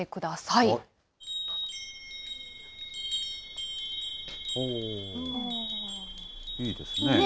いいですね。